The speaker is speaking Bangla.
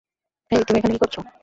হেই, তুমি এখানে কি করছ?